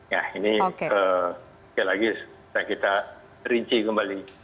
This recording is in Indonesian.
ya ini sekali lagi kita rinci kembali